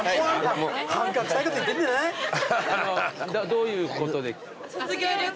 どういうことで？